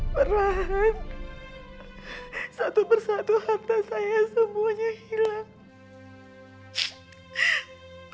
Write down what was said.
perlahan satu persatu harta saya semuanya hilang